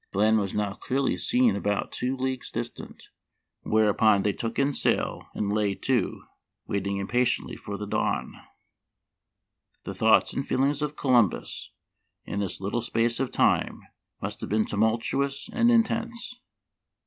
... The land was now clearly seen about two leagues distant, whereupon they took in sail and lay to, waiting impatiently for the dawn. " The thoughts and feelings of Columbus in this little space of time must have been tumultu ous and intense.